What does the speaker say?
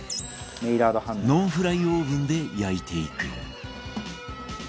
ノンフライオーブンで焼いていく